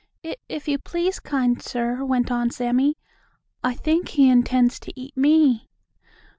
"If if you please, kind sir," went on Sammie, "I think he intends to eat me."